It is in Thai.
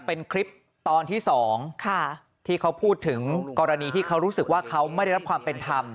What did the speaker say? เป็นคลิปตอนที่๒ที่เขาพูดถึงกรณีที่เขารู้สึกว่าเขาไม่ได้รับความเป็นธรรม